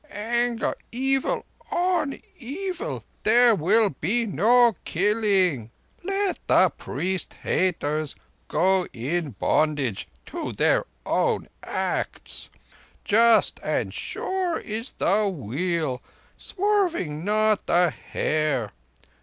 "Anger on anger! Evil on evil! There will be no killing. Let the priest beaters go in bondage to their own acts. Just and sure is the Wheel, swerving not a hair!